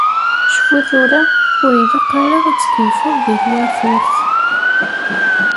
Cfu tura, ur ilaq ara ad tkeyyfeḍ deg twaturt.